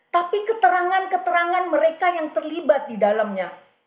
tapi keterangan keterangan mereka yang terlibat di dalamnya